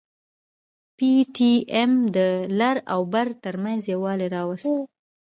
پي ټي ايم د لر او بر ترمنځ يووالي راوست.